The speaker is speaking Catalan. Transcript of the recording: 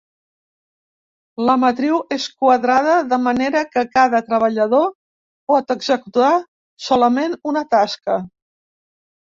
La matriu és quadrada de manera que cada treballador pot executar solament una tasca.